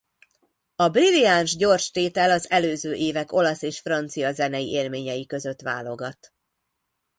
A briliáns gyors tétel az előző évek olasz és francia zenei élményei között válogat.